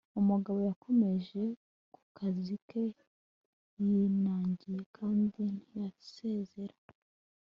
umugabo yakomereje ku kazi ke yinangiye kandi ntiyasezera